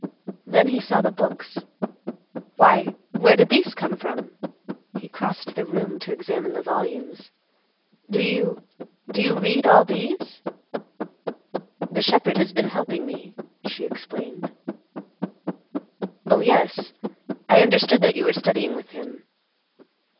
Then he saw the books. "Why, where did these come from?" He crossed the room to examine the volumes. "Do you—do you read all these?" "The shepherd has been helping me," she explained. "Oh, yes. I understood that you were studying with him."